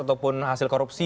ataupun hasil korupsi